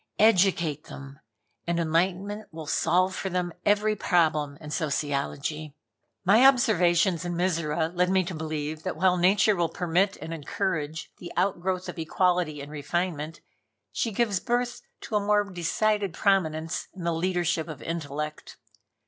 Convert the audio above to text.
Educate them, and enlightenment will solve for them every problem in Sociology." My observations in Mizora led me to believe that while Nature will permit and encourage the outgrowth of equality in refinement, she gives birth to a more decided prominence in the leadership of intellect.